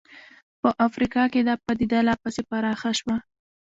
په افریقا کې دا پدیده لا پسې پراخه شوه.